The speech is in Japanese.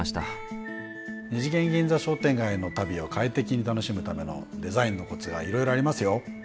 二次元銀座商店街の旅を快適に楽しむためのデザインのコツがいろいろありますよ。